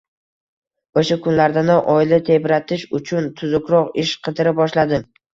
O`sha kunlardanoq oila tebratish uchun tuzukroq ish qidira boshladim